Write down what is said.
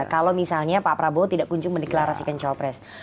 kalau misalnya pak prabowo tidak kunjung mendeklarasikan cawapres